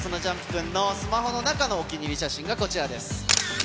君のスマホの中のお気に入り写真がこちらです。